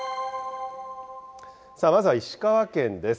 まずは石川県です。